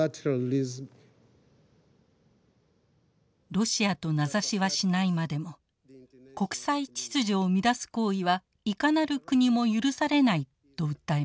ロシアと名指しはしないまでも国際秩序を乱す行為はいかなる国も許されないと訴えました。